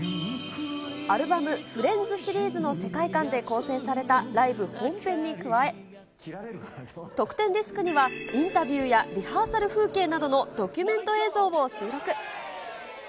アルバム、ＦＲＩＥＮＤＳシリーズの世界観で構成されたライブ本編に加え、特典ディスクには、インタビューやリハーサル風景などのドキュメント映像を収録。